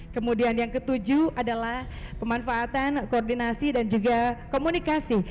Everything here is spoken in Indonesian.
kemudian yang ketujuh adalah pemanfaatan koordinasi dan juga komunikasi